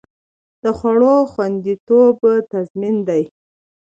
د خوړو خوندیتوب تضمین دی؟